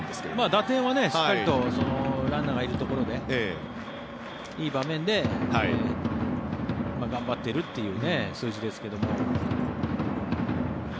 打点はしっかりとランナーがいるところでいい場面で頑張っているという数字ですけども。